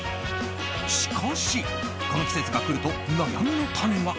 しかし、この季節が来ると悩みの種が。